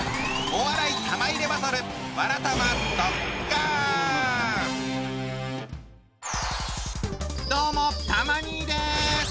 お笑い玉入れバトルどうもたま兄です。